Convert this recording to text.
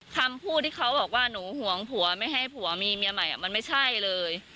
คำพูดที่เขาบอกว่าหนูห่วงผัวไม่ให้ผัวมีเมียใหม่มันไม่ใช่เลย